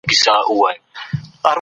دوی د تعليم د عامولو لپاره کار کاوه.